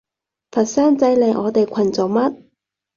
佛山仔嚟我哋群做乜？